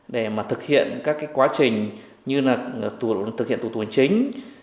để thực hiện các quá trình như là thực hiện tù tù hành chính